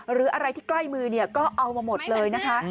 หรืออะไรที่ใกล้มือก็เอามาหมดเลยนะคะ